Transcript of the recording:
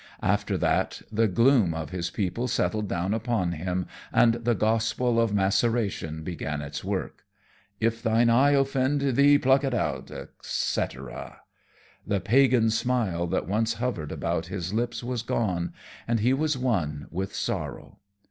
After that, the gloom of his people settled down upon him, and the gospel of maceration began its work. "If thine eye offend thee, pluck it out," et cetera. The pagan smile that once hovered about his lips was gone, and he was one with sorrow.